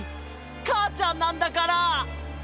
かあちゃんなんだから！